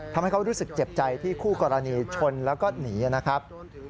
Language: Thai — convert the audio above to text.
ทำให้เขารู้สึกเจ็บใจที่คู่กรณีชนแล้วก็หนีนะครับ